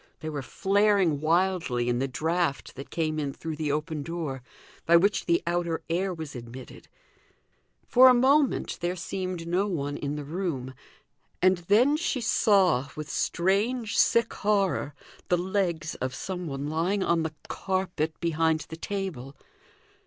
They were flaring wildly in the draught that came in through the open door, by which the outer air was admitted; for a moment there seemed no one in the room, and then she saw, with strange sick horror, the legs of some one lying on the carpet behind the table.